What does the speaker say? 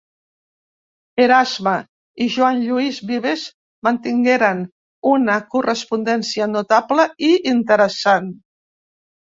Erasme i Joan Lluís Vives mantingueren una correspondència notable i interessant.